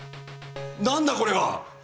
何だこれは！